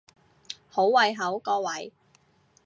好胃口各位！